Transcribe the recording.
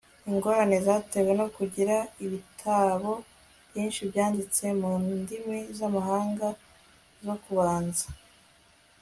ingorane zatewe no kugira ibitabo byinshi byanditse mu ndimi z'amahanga zo kubanza